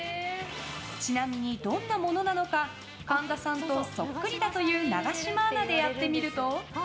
［ちなみにどんなものなのか神田さんとそっくりだという永島アナでやってみると］